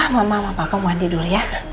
mama sama papa mau mandi dulu ya